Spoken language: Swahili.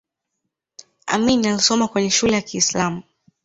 amin alisoma kwenye shule ya kiislamu